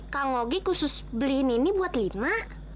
kak ngoge khusus beliin ini buat lina